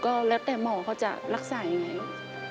ก็แล้วแต่หมอเขาจะรักษายังไงลูก